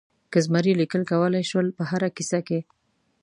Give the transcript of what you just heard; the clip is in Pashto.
که زمری لیکل کولای شول په هره کیسه کې.